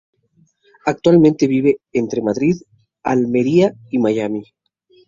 Actualmente vive entre Madrid, Almería y Miami.